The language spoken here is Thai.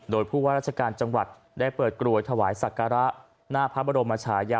โดยผู้ว่าราชการจังหวัดได้เปิดกลัวยถวายศักรา